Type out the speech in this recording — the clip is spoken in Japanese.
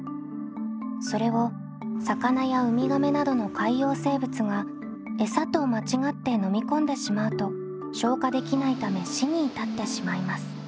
それを魚やウミガメなどの海洋生物が餌と間違って飲み込んでしまうと消化できないため死に至ってしまいます。